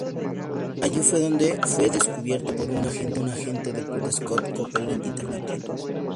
Allí fue donde fue descubierto por un agente de publicidad de Scott Copeland International.